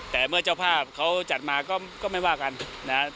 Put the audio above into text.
แต่เมื่อเจ้าภาพเขาจัดมาก็ไม่ว่ากันนะครับ